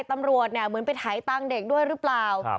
ตำรวจเหมือนไปถ่ายตังค์เด็กด้วยหรือเปล่า